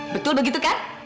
betul begitu kan